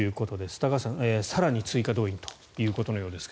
高橋さん、更に追加動員ということのようですが。